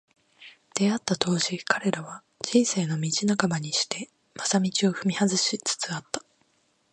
出逢った当時、彼らは、「人生の道半ばにして正道を踏み外し」つつあった。